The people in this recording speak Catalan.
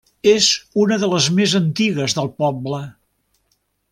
És una de les més antigues del poble.